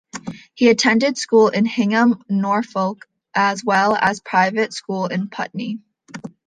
He attended school in Hingham, Norfolk, as well as a private school in Putney.